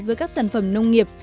với các sản phẩm nông nghiệp